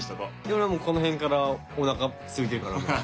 俺はこの辺からおなかすいてるからもう。